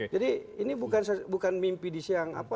jadi ini bukan mimpi di siang